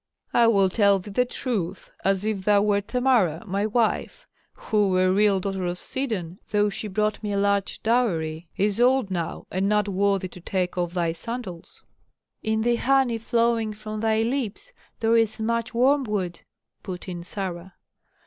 "I will tell thee the truth, as if thou wert Tamara, my wife, who, a real daughter of Sidon, though she brought me a large dowry, is old now and not worthy to take off thy sandals." "In the honey flowing from thy lips there is much wormwood," put in Sarah.